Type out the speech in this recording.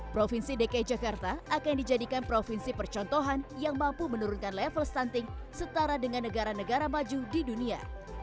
provinsi dki jakarta akan dijadikan provinsi percontohan yang mampu menurunkan level stunting setara dengan negara negara maju di dunia